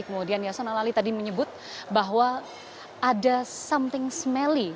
kemudian yasona lali tadi menyebut bahwa ada something smelly